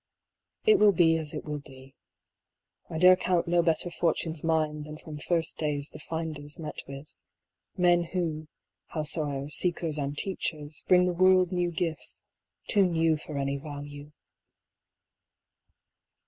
It will be as it will be : I dare count no better fortunes mine than from first days the finders met with, men who, howsoe'er, seekers and teachers, bring the world new gifts, too new for any value.